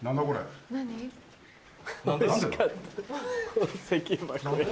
宝石箱や‼」。